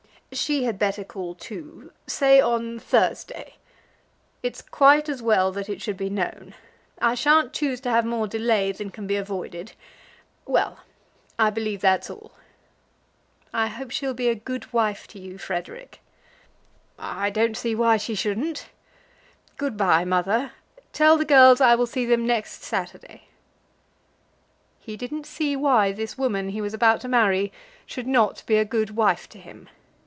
"She had better call too, say on Thursday. It's quite as well that it should be known. I sha'n't choose to have more delay than can be avoided. Well; I believe that's all." "I hope she'll be a good wife to you, Frederic." "I don't see why she shouldn't. Good bye, mother. Tell the girls I will see them next Saturday." He didn't see why this woman he was about to marry should not be a good wife to him!